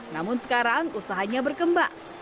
namun sekarang usahanya berkembang